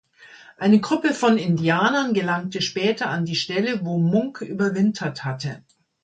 Eine Gruppe von Indianern gelangte später an die Stelle, wo Munk überwintert hatte.